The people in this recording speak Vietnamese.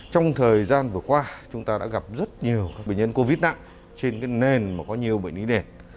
trong thời gian vừa qua chúng ta đã gặp rất nhiều bệnh nhân covid nặng trên nền mà có nhiều bệnh lý đẹp